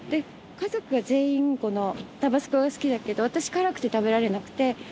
家族が全員タバスコが好きだけど私、辛くて食べられなくて。